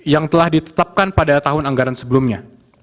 yang telah ditetapkan pada tahun anggaran sebelumnya